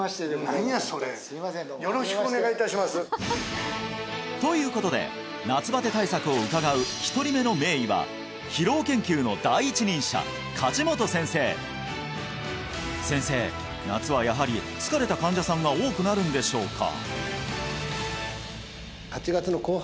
何やそれよろしくお願いいたしますということで夏バテ対策を伺う１人目の名医は疲労研究の第一人者梶本先生先生夏はやはり疲れた患者さんが多くなるんでしょうか？